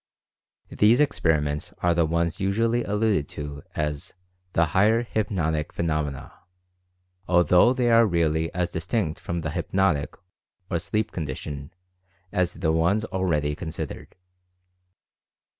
These experiments are the ones usually alluded to as "the higher hypnotic phenomena," although they really are as distinct from the "hypnotic" or sleep condition, as the ones already considered.